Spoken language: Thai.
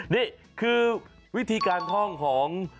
นี่คือวิธีการท่องของ